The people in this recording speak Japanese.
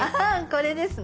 これですね。